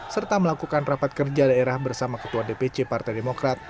serta melakukan rapat kerja daerah bersama ketua dpc partai demokrat